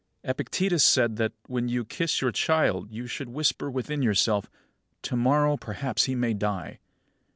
34. Epictetus said that, when you kiss your child, you should whisper within yourself: "To morrow perhaps he may die."